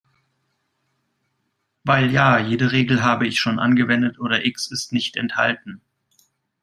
Weil, ja, jede Regel habe ich schon angewendet oder X ist nicht enthalten.